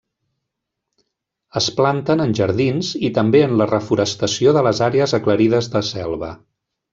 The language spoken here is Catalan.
Es planten en jardins i també en la reforestació de les àrees aclarides de selva.